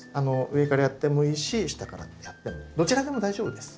上からやってもいいし下からやってもどちらでも大丈夫です。